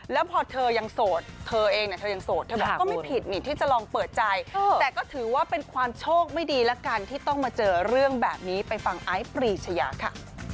แล้วพอเธอยังโสดเธอเองเนี่ยเธอยังโสดเธอบอกก็ไม่ผิดนี่ที่จะลองเปิดใจแต่ก็ถือว่าเป็นความโชคไม่ดีแล้วกันที่ต้องมาเจอเรื่องแบบนี้ไปฟังไอซ์ปรีชยาค่ะ